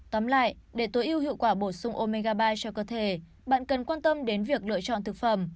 tóm lại để tối ưu hiệu quả bổ sung omegabyte cho cơ thể bạn cần quan tâm đến việc lựa chọn thực phẩm